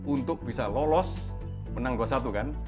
untuk bisa lolos menang dua puluh satu kan